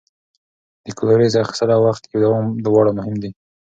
د کلوریز اخیستل او وخت یې دواړه مهم دي.